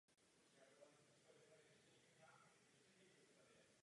Vzápětí však bylo dvoru ohlášeno zemětřesení na posvátné hoře Tchaj.